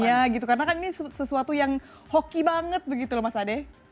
iya gitu karena kan ini sesuatu yang hoki banget begitu loh mas ade